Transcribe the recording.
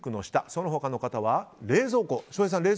その他の方は冷蔵庫。